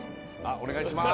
お願いします